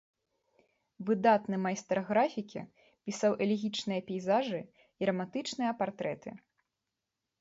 Выдатны майстар графікі пісаў элегічныя пейзажы і рамантычныя партрэты.